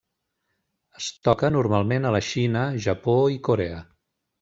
Es toca normalment a la Xina, Japó i Corea.